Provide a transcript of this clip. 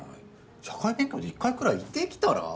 社会勉強で一回くらい行ってきたら？